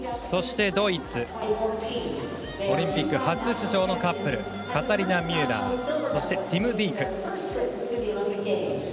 そして、ドイツオリンピック初出場のカップルカタリナ・ミューラーとティム・ディーク。